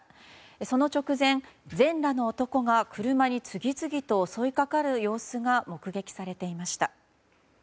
その直前、全裸の男が車に次々と襲いかかる様子が目撃されていました。